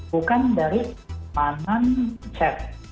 bukan dari keamanan chat